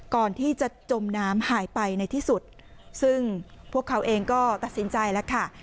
ก่อนที่จะจมน้ำหายไปในที่สุดซึ่งพวกเขาเองก็ตัดสินใจแล้วค่ะ